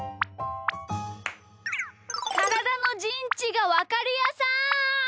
からだのじんちがわかるやさん！